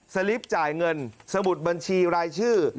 ลิปจ่ายเงินสมุดบัญชีรายชื่อ